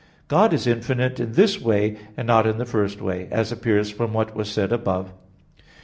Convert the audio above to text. God is Infinite in this way, and not in the first way: as appears from what was said above (Q.